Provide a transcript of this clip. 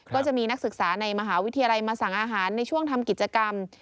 ก็จะมีนักศึกษาในมหาวิทยาลัยมาสั่งอาหารในช่วงทำกิจกรรม